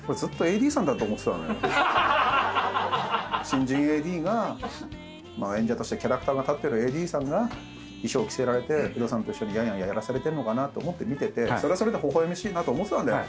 新人ＡＤが演者としてキャラクターが立ってるＡＤさんが衣装着せられてウドさんと一緒にやんやんやらされてるのかなと思って見ててそれはそれでほほ笑ましいなと思ってたんだよ。